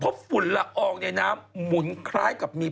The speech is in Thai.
ปลาหมึกแท้เต่าทองอร่อยทั้งชนิดเส้นบดเต็มตัว